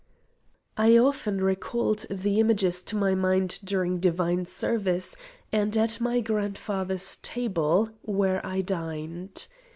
I often recalled the images to my mind during divine service, and at my grandfather's table where I dined.